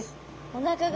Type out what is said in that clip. おなか側。